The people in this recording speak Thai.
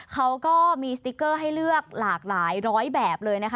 เขาก็มีสติ๊กเกอร์ให้เลือกหลากหลายร้อยแบบเลยนะคะ